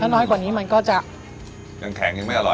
น้อยกว่านี้มันก็จะยังแข็งยังไม่อร่อย